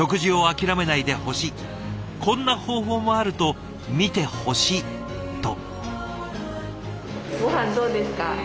こんな方法もあると見てほしい」と。